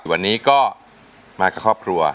วันนี้ก็มากับครอบครัว